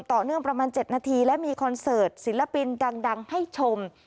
ประมาณ๗นาทีและมีคอนเสิร์ตศิลปินดังให้ชม